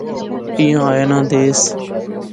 ایہھاں آیا ناں دیس